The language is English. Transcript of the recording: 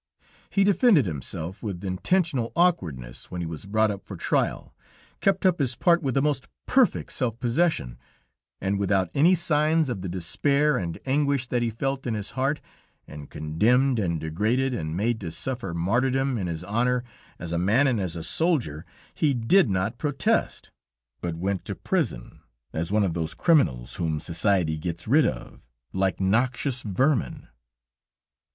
He defended himself with intentional awkwardness when he was brought up for trial, kept up his part with the most perfect self possession, and without any signs of the despair and anguish that he felt in his heart, and condemned and degraded and made to suffer martyrdom in his honor as a man and as a soldier, he did not protest, but went to prison as one of those criminals whom society gets rid of, like noxious vermin.